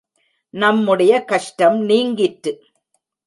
நம்முடைய கஷ்டம் நீங்கிற்று.